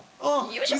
よいしょ！